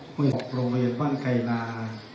หกโรงเรียนบ้านไกลนา